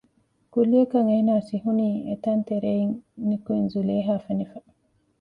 ކުއްލިއަކަށް އޭނާ ސިހުނީ އެތަން ތެރެއިން ނިކުތް ޒުލޭހާ ފެނިފަ